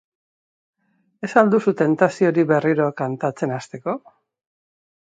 Ez al duzu tentaziorik berriro kantatzen hasteko?